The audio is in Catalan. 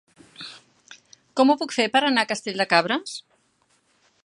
Com ho puc fer per anar a Castell de Cabres?